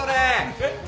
えっ？